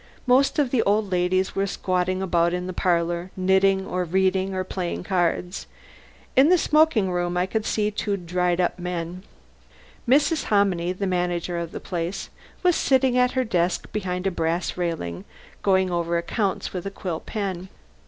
Most of the old ladies were squatting about in the parlour, knitting or reading or playing cards. In the smoking room I could see two dried up men. Mrs. Hominy, the manager of the place, was sitting at her desk behind a brass railing, going over accounts with a quill pen.